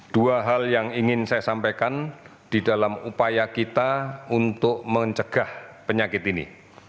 dua hal yang ingin saya sampaikan di dalam upaya kita untuk mencegah penyakit ini